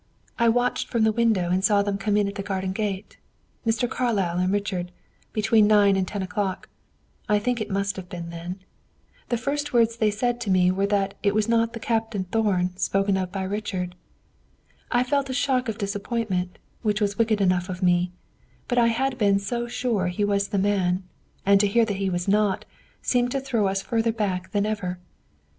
"I watched from the window and saw them come in at the garden gate Mr. Carlyle and Richard between nine and ten o'clock, I think it must have been then. The first words they said to me were that it was not the Captain Thorn spoken of by Richard. I felt a shock of disappointment, which was wicked enough of me, but I had been so sure he was the man; and to hear that he was not, seemed to throw us further back than ever.